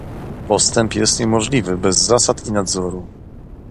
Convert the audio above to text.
Postęp jest niemożliwy bez zasad i nadzoru